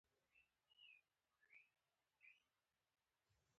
واټونه او سړکونه یې لوی لوی دي.